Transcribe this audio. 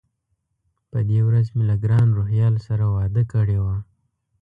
په دې ورځ مې له ګران روهیال سره وعده کړې وه.